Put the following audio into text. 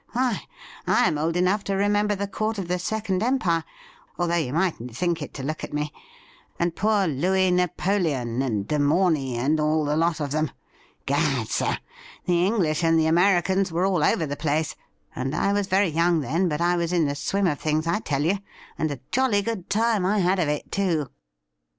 Why, I am old enough to remember the Court of the Second Empire — although you mightn't think it, to look at me — and poor Louis Napoleon, and De Morny, and all the lot of them. Gad, sif ! the English and the Americans were all over the place ; and I was very young then, but I was in the swim of things, I tell you, and a jolly good time I had of it, too.'